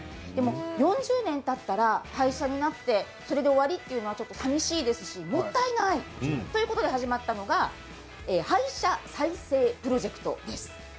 ４０年たったら廃材になってそれで終わりというのはさみしいです、もったいないということで始まったのが廃車再生プロジェクトです。